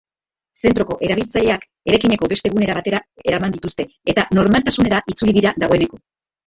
Zentroko erabiltzaileak eraikineko beste gunera batera eraman dituzte eta normaltasunera itzuli dira dagoeneko.